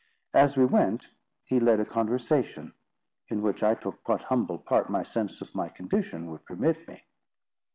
As we went, he led a conversation, in which I took what humble part my sense of my condition would permit me.